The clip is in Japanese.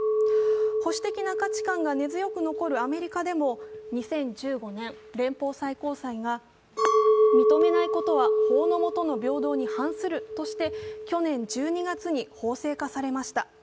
保守的な価値観が根強く残るアメリカでも２０１５年、連邦最高裁が認めないことは法の下の平等に反するとして去年１２月に法制化されました。